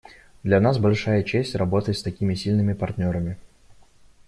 Для нас большая честь работать с такими сильными партнерами.